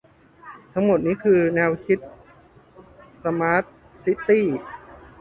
ทั้งหมดนี้คือแนวคิดสมาร์ทซิตี้